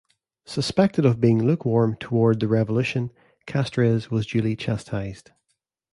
Suspected of being lukewarm toward the revolution, Castres was duly chastised.